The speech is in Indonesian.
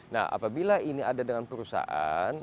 nah apabila ini ada dengan perusahaan